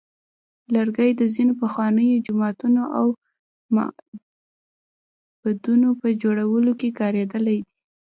لرګي د ځینو پخوانیو جوماتونو او معبدونو په جوړولو کې کارېدلی دی.